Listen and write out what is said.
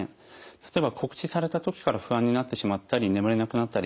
例えば告知された時から不安になってしまったり眠れなくなったり。